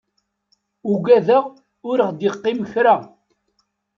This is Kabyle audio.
Ugadeɣ ur ɣ-d-iqqim kra.